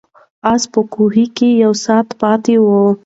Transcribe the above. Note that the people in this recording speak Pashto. آس په کوهي کې یو ساعت پاتې و.